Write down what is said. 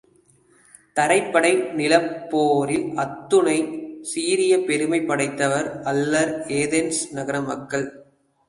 தரைப்படை நிலப் போரில் அத்துணைச் சீரிய பெருமை படைத்தவர் அல்லர் ஏதென்ஸ் நகரமக்கள்.